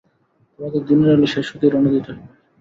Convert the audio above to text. তোমাদের দিনের আলো শেষ হতেই রওয়ানা দিতে হবে।